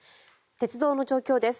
鉄道の状況です。